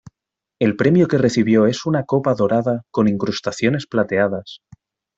El premio que recibió es una copa dorada con incrustaciones plateadas.